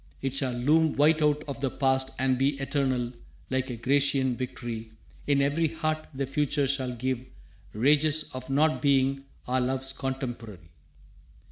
It shall loom white out of the past and be Eternal, like a Grecian victory, In every heart the future shall give rages Of not being our love's contemporary.